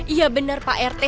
iya bener pak rt